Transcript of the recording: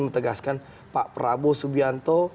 mengatakan pak prabowo subianto